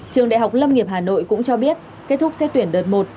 trường đại học lâm nghiệp hà nội cũng cho biết kết thúc xét tuyển đợt một